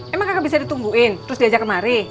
emang kakak bisa ditungguin terus diajak kemari